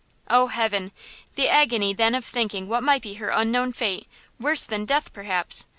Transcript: Oh, heaven! the agony then of thinking of what might be her unknown fate, worse than death, perhaps!